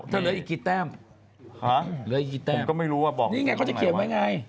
เธอเหลืออีกกี่แต้มห้ะเหลืออีกกี่แต้มนี่ไงเขาจะเขียวไว้ไง